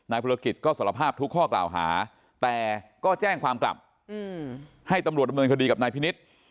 ธุรกิจก็สารภาพทุกข้อกล่าวหาแต่ก็แจ้งความกลับให้ตำรวจดำเนินคดีกับนายพินิษฐ์